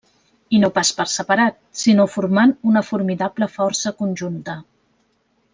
I no pas per separat, sinó formant una formidable força conjunta.